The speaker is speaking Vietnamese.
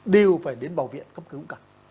đều phải đến bảo viện cấp cứu cả